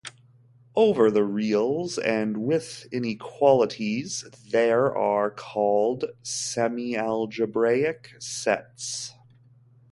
Over the reals, and with inequalities, there are called semialgebraic sets.